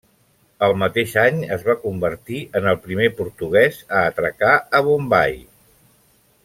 El mateix any es va convertir en el primer portuguès a atracar a Bombai.